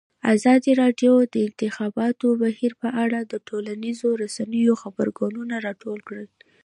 ازادي راډیو د د انتخاباتو بهیر په اړه د ټولنیزو رسنیو غبرګونونه راټول کړي.